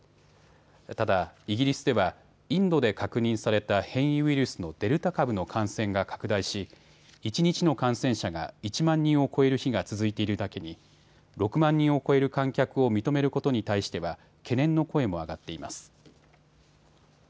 ただ、イギリスではインドで確認された変異ウイルスのデルタ株の感染が拡大し一日の感染者が１万人を超える日が続いているだけに６万人を超える観客を認めることに対しては懸念の声も上がっています。